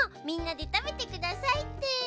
「みんなでたべてください」って。